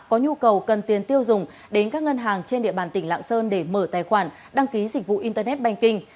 có nhu cầu cần tiền tiêu dùng đến các ngân hàng trên địa bàn tỉnh lạng sơn để mở tài khoản đăng ký dịch vụ internet banking